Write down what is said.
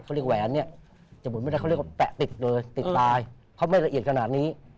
เขาเรียกแหวนเนี่ยจะหมุนไม่ได้เขาเรียกว่าแปะติดเลยติดตายเขาไม่ละเอียดขนาดนี้